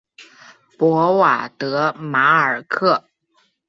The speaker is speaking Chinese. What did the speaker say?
博瓦德马尔克。